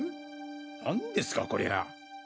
なんですかこりゃ。